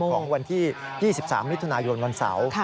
ของวันที่๒๓มิถุนายนวันเสาร์